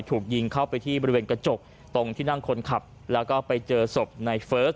ถูกยิงเข้าไปที่บริเวณกระจกตรงที่นั่งคนขับแล้วก็ไปเจอศพในเฟิร์ก